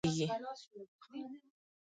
او يا پۀ يو ځائے کې چې مېخ ټکوهلی کيږي